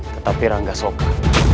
tetapi rangga soka